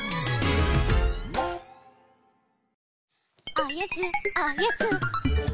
おやつおやつ！